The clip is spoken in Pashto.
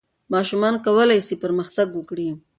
ماشومان کولای سي پرمختګ وکړي.